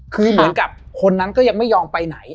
คือเหมือนกับคนนั้นก็ยังไม่ยอมไปไหน